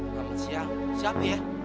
selamat siang siapa ya